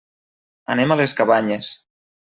Anem a les Cabanyes.